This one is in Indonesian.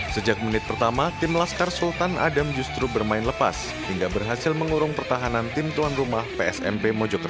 sejak menit pertama tim laskar sultan adam justru bermain lepas hingga berhasil mengurung pertahanan tim tuan rumah psmp mojokerto